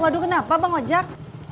waduh kenapa pak ojek